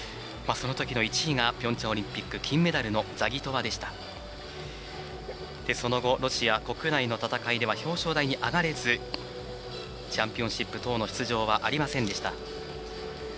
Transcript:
そのときの１位がピョンチャンオリンピック金メダルのザギトワでしたその後、ロシア国内の戦いでは表彰台に上がれずチャンピオンシップ等の出場はありませんでした。